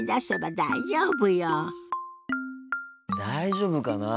大丈夫かなあ。